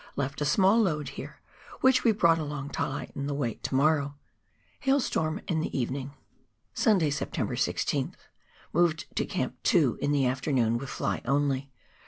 Left a small load here, which we brought along to lighten the weioht to morrow. Hail storm in the evenino'. Sunday, September 16th. — Moved up to Camp 2 in the after noon with fly only.